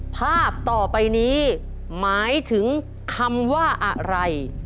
ภาพต่อไปนี้หมายถึงคำว่าอะไร